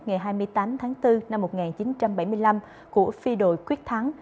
ngày hai mươi tám tháng bốn năm một nghìn chín trăm bảy mươi năm của phi đội quyết thắng